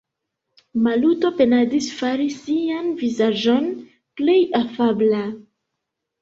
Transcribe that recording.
Maluto penadis fari sian vizaĝon plej afabla.